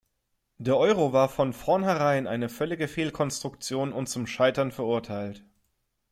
Der Euro war von vornherein eine völlige Fehlkonstruktion und zum Scheitern verurteilt.